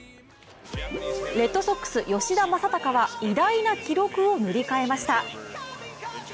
レッドソックス吉田正尚は偉大な記録を塗り替えました。